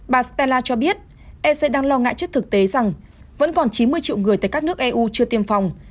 bà stella cho biết ec đang lo ngại trước thực tế rằng vẫn còn chín mươi triệu người tại các nước eu chưa tiêm phòng